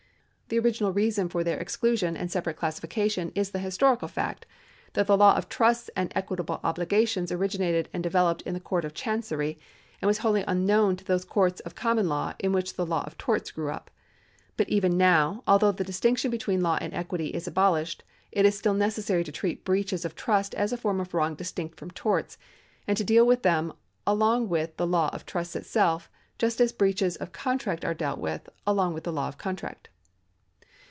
The original reason for their exclusion and separate classifi cation is the historical fact, that the law of trusts and equit able obligations originated and developed in the Court of Chancery, and was wholly unknown to those courts of com mon law in which the law of torts grew up. But even now, although the distinction between law and ecjuity is abolished, it is still necessary to treat breaches of trust as a form of wrong distinct from torts, and to deal with them along with the law of trusts itself, just as breaches of contract are dealt with along with the law of contract.